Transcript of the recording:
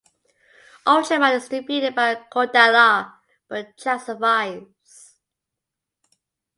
Ultraman is defeated by Kodalar, but Jack survives.